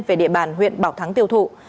về địa bàn huyện bảo thắng tiêu thụ